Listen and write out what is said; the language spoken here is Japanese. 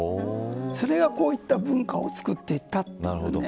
それがこういった文化を作っていったというね。